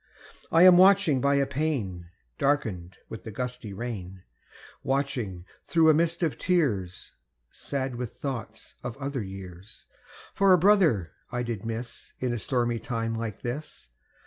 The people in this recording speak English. I am watching by a pane Darkened with the gusty rain, Watching, through a mist of tears, Sad with thoughts of other years, For a brother I did miss In a stormy time like this.